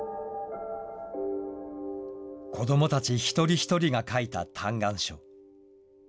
子どもたち一人一人が書いた嘆願書。